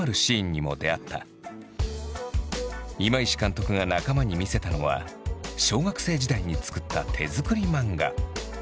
今石監督が仲間に見せたのは小学生時代につくった手づくり漫画。